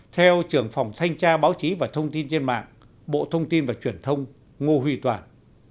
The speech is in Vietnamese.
theo trưởng phòng thanh tra báo chí và thông tin trên mạng bộ thông tin và truyền thông ngô huy toàn